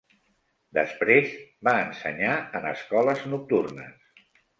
Després, va ensenyar en escoles nocturnes.